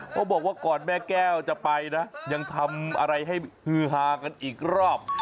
บอกว่าก่อนแม่แก้วจะไปนะยังทำอะไรให้ฮือฮากันอีกรอบ